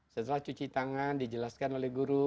setelah cuci tangan dijelaskan oleh guru